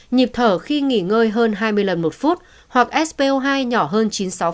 nhịp thở khi nghỉ ngơi hơn hai mươi lần một phút hoặc spo hai nhỏ hơn chín mươi sáu